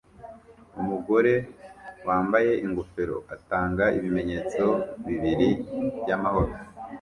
Umugore wambaye ingofero atanga ibimenyetso bibiri byamahoro